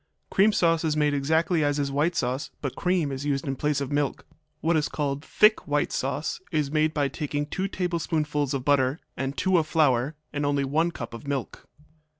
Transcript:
Cream sauce is made exactly as is white sauce, but cream is used in place of milk. What is called thick white sauce is made by taking two tablespoonfuls of butter and two of flour, and only one cup of milk.